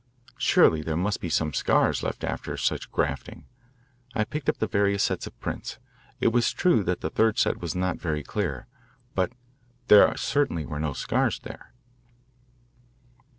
Surely there must be some scars left after such grafting. I picked up the various sets of prints. It was true that the third set was not very clear, but there certainly were no scars there.